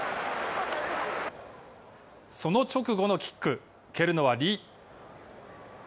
その直後のキック、蹴るのは李。